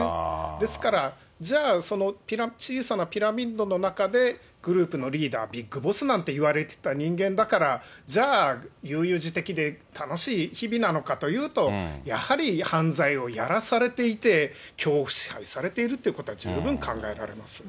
ですから、じゃあ、その小さなピラミッドの中でグループのリーダー、ビッグボスなんていわれてた人間だから、じゃあ、悠々自適で楽しい日々なのかというと、やはり、犯罪をやらされていて、恐怖支配されているということは、十分考えられます。